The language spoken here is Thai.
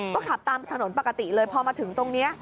ก็ขับตามถนนปกติเลยพอมาถึงตรงนี้